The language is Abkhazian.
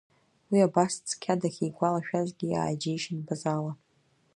Уи абас цқьа дахьигәалашәазгьы ааџьеишьеит Базала.